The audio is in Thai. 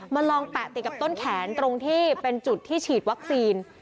ลองแปะติดกับต้นแขนตรงที่เป็นจุดที่ฉีดวัคซีน